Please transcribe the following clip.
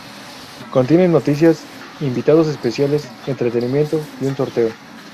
Contiene noticias, invitados especiales, entretenimiento y un sorteo.